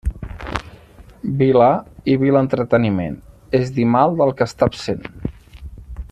Vilà i vil entreteniment, és dir mal del que està absent.